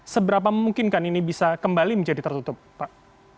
seberapa memungkinkan ini bisa kembali menjadi tertutup pak